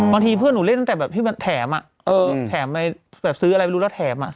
เพื่อนหนูเล่นตั้งแต่แบบที่มันแถมอ่ะเออแถมอะไรแบบซื้ออะไรไม่รู้แล้วแถมอ่ะ